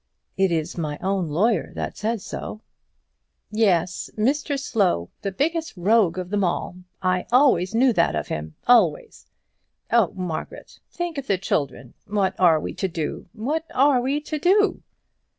"It is my own lawyer that says so." "Yes, Mr Slow; the biggest rogue of them all. I always knew that of him, always. Oh, Margaret, think of the children! What are we to do? What are we to do?"